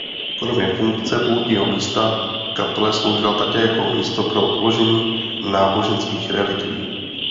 Kromě funkce poutního místa kaple sloužila také jako místo pro uložení náboženských relikvií.